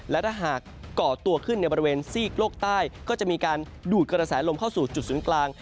และถ้าหากก่อตัวขึ้นในบริเวณซีกโลกใต้ก็จะมีการดูดกระแสลมเข้าสู่จุดศูนย์กลาง